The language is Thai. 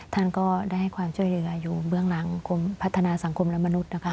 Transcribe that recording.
ท่านก็ได้ให้ความช่วยเหลืออยู่เบื้องหลังกรมพัฒนาสังคมและมนุษย์นะคะ